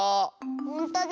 ほんとだ。